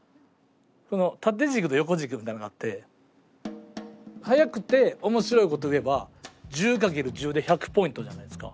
縦軸と横軸みたいなのがあって早くて面白いことを言えば１０×１０で１００ポイントじゃないですか。